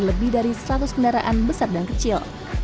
lebih dari seratus kendaraan besar dan kecil